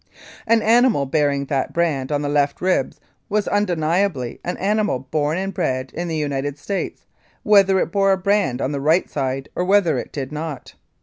An animal bearing that brand on the left ribs was undeniably an animal born and bred in the United States, whether it bore a brand on the right side or whether it did not.